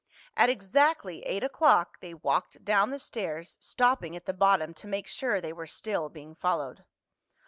At exactly eight o'clock they walked down the stairs, stopping at the bottom to make sure they were still being followed.